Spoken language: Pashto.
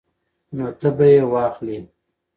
نو ته به یې واخلې